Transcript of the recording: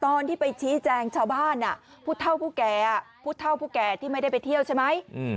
ตอนที่ไปชี้แจงชาวบ้านผู้เท่าผู้แก่ที่ไม่ได้ไปเที่ยวใช่ไหม